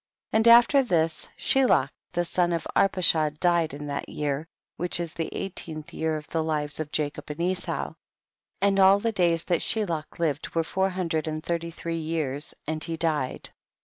17. And after this Shelach the son of Arpachshad died in that year, which is the eighteenth year of the lives of Jacob and Esau ; and all the days that Shelach lived were four hundred and thirty three years and he died.